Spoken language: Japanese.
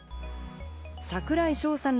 櫻井翔さん